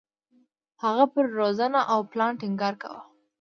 هغه پر روزنه او پلان ټینګار کاوه.